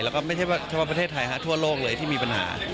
แล้วก็ไม่ใช่เฉพาะประเทศไทยทั่วโลกเลยที่มีปัญหา